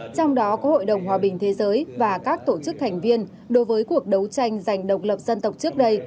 trong đó có hội đồng hòa bình thế giới và các tổ chức thành viên đối với cuộc đấu tranh giành độc lập dân tộc trước đây